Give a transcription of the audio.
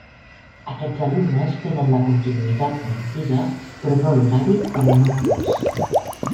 Aquests alumnes tenen la continuïtat garantida, però no l'horari per al nou curs.